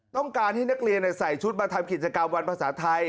ต้องการให้นักเรียนใส่ชุดมาทำกิจกรรมวันภาษาไทย